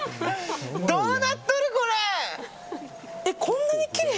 どうなっとる、これ！